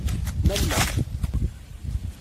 Malleɣ.